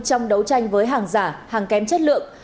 trong đấu tranh với hàng giả hàng kém chất lượng